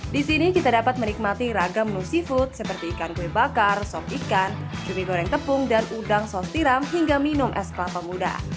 di sini kita dapat menikmati ragam menu seafood seperti ikan kue bakar sop ikan cumi goreng tepung dan udang sos tiram hingga minum es kelapa muda